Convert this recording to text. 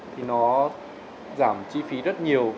thì nó giảm chi phí rất nhiều